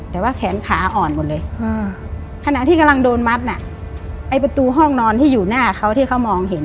แต่ว่าแขนขาอ่อนหมดเลยขณะที่กำลังโดนมัดน่ะไอ้ประตูห้องนอนที่อยู่หน้าเขาที่เขามองเห็น